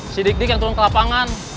si dik dik yang turun ke lapangan